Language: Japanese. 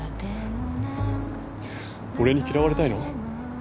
俺に嫌われたいの？